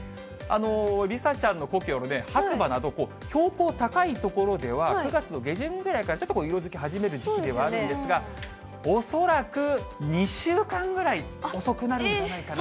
梨紗ちゃんの故郷の白馬など、標高高い所では、９月の下旬ぐらいからちょっと色づき始める時期ではあるんですが、恐らく２週間ぐらい遅くなるんじゃないかな。